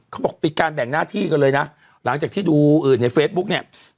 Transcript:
เขาบอกปิดการแบ่งหน้าที่กันเลยนะหลังจากที่ดูในเฟซบุ๊กเนี่ย